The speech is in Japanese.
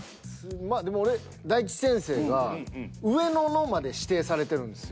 でも俺大吉先生が「上野の」まで指定されてるんですよ。